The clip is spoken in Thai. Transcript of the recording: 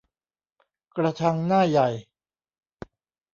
กระชังหน้าใหญ่